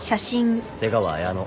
瀬川綾乃。